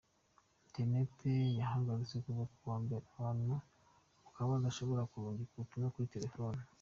Internet yarahagaritswe kuva ku wa mbere, abantu bakaba badashobora kurungika ubutumwa kuri telephone.